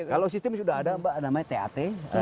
kalau sistem sudah ada mbak namanya tat